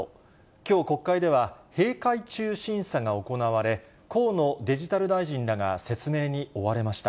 きょう、国会では閉会中審査が行われ、河野デジタル大臣らが説明に追われました。